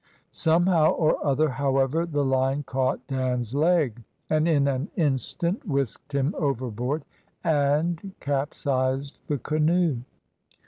Somehow or other, however, the line caught Dan's leg, and in an instant whisked him overboard and capsized the canoe.